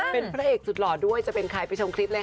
เป็นพระเอกสุดหล่อด้วยจะเป็นใครไปชมคลิปเลยค่ะ